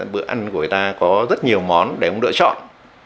bữa ăn của người ta có rất nhiều món để ông lựa chọn